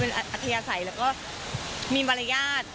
เป็นอัธยาศัยแล้วก็มีมารยาท